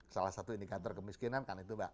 salah satu ini kantor kemiskinan kan itu mbak